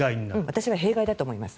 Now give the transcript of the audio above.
私は弊害だと思います。